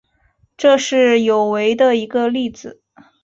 这是有违的一个例子。